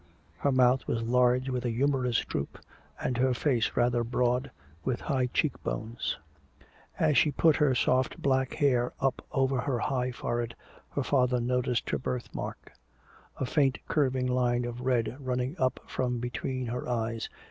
Her mouth was large with a humorous droop and her face rather broad with high cheekbones. As she put her soft black hair up over her high forehead, her father noticed her birthmark, a faint curving line of red running up from between her eyes.